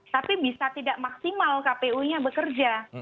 tapi bisa tidak maksimal kpu nya bekerja